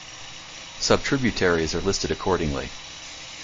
Subtributaries are listed accordingly.